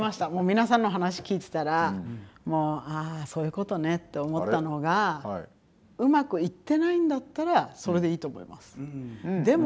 皆さんの話聞いてたら「あそういうことね」って思ったのがうまくいってないんだったらそれでいいと思います。